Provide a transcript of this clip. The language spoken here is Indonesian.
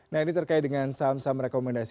nah ini terkait dengan saham saham rekomendasi